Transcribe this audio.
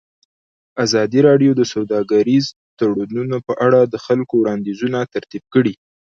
ازادي راډیو د سوداګریز تړونونه په اړه د خلکو وړاندیزونه ترتیب کړي.